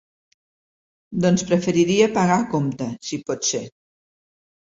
Doncs preferiria pagar a compte, si pot ser?